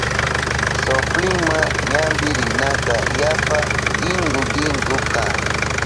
Soplinma ñampi rinaka yapa kinku kinku kan.